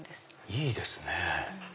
いいですね。